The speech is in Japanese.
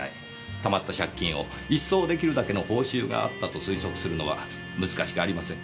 たまった借金を一掃出来るだけの報酬があったと推測するのは難しくありません。